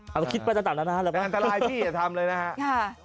เราคิดไปต่างแล้วนะแบบนั้นตลายพี่อย่าทำเลยนะฮะค่ะ